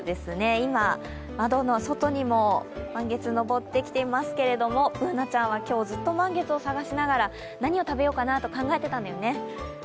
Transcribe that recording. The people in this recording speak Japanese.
今、窓の外にも満月のぼってきていますけどもＢｏｏｎａちゃんは今日ずっと満月を探しながら、何を食べようかなって考えていたんだよね。